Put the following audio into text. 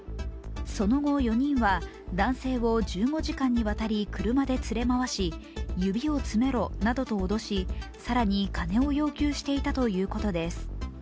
その後４人は男性を１５時間にわたり車で連れ回し、指をつめろなどと脅し、更に金を要求していたということです。